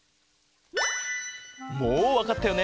もうわかったよね？